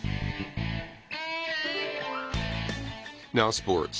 スポーツ。